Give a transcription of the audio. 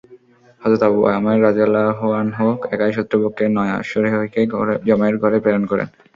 হযরত আবু আমের রাযিয়াল্লাহু আনহু একাই শত্রুপক্ষের নয় অশ্বারোহীকে জমের ঘরে প্রেরণ করেন।